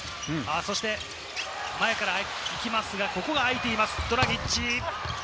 前から行きますが、ここが空いています、ドラギッチ。